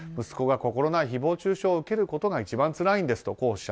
息子が心ない誹謗中傷を受けることが一番つらいんですと。